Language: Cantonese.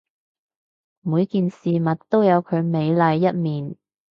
每件事物都有佢美麗一面